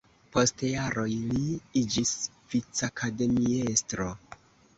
Post jaroj li iĝis vicakademiestro.